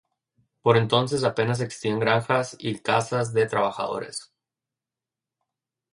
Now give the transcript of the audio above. Por entonces, apenas existían granjas y casas de trabajadores.